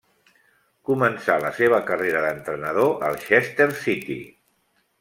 Començà la seva carrera d'entrenador al Chester City.